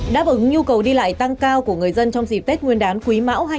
đáp ứng nhu cầu đi lại tăng cao của người dân trong dịp tết nguyên đán quý mão hai nghìn hai mươi